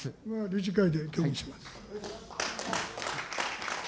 理事会で協議します。